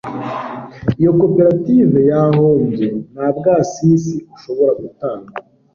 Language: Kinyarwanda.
iyo koperative yahombye, nta bwasisi bushobora gutangwa